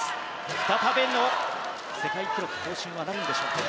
再びの世界記録更新はなるんでしょうか。